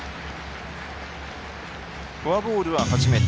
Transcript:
フォアボールは初めて。